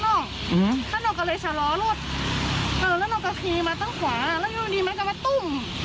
ถ้าน้องกำลังไหลชะล้อรถแล้วน้องกำลังคีย์มาตั้งขวาแล้วอยู่ดีมันกำลังมาตุ้ม